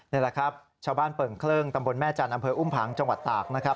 นี่แหละครับชาวบ้านเปิ่งเคลิ่งตำบลแม่จันทร์อำเภออุ้มผังจังหวัดตากนะครับ